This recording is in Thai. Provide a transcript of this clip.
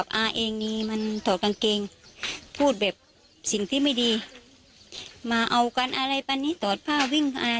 ว่าวันนี้แบบนี้ของสิ่งผิดของปรีกว่า